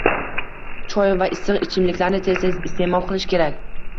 Choy va issiq ichimliklarni tez-tez isteʼmol qilish kerak.